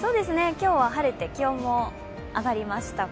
今日は晴れて気温も上がりましたが。